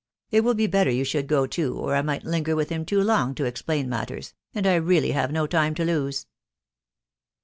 .... it will be better you. should go too, o»jI might linger with him too long to.explaia.niatAers, and Lrealty have no time to lose/' The.